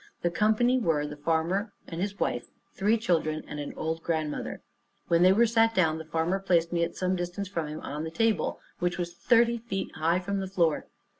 The company were, the farmer and his wife, three children, and an old grandmother. When they were sat down, the farmer placed me at some distance from him on the table, which was thirty feet high from the floor.